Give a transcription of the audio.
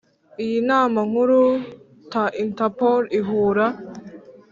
Iyi nama nkuru ta Interpol ihura